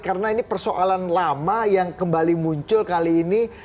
karena ini persoalan lama yang kembali muncul kali ini